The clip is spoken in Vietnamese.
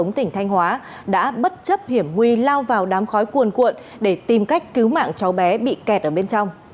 công an tỉnh thanh hóa đã bất chấp hiểm nguy lao vào đám khói cuồn cuộn để tìm cách cứu mạng cháu bé bị kẹt ở bên trong